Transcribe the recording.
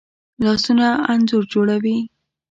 لاسونه انځور جوړوي